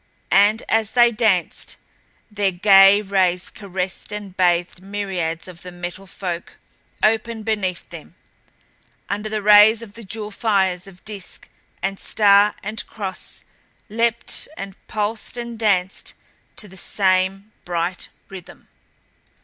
And as they danced their gay rays caressed and bathed myriads of the Metal Folk open beneath them. Under the rays the jewel fires of disk and star and cross leaped and pulsed and danced to the same bright rhythm.